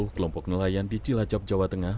kelompok nelayan di cilacap jawa tengah